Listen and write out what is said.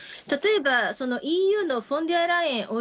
例えばＥＵのフォンデアライエン